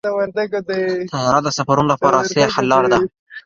طیاره د سفرونو لپاره عصري حل لاره ده.